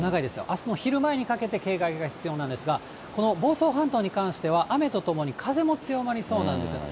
あしたの昼前にかけて警戒が必要なんですが、この房総半島に関しては、雨とともに風も強まりそうなんですね。